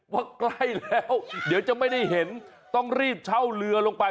ว่าใกล้แล้วเดี๋ยวจะไม่ได้เห็นต้องรีบเช่าเรือลงไป